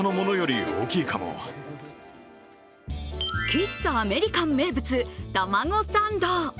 喫茶アメリカン名物タマゴサンド。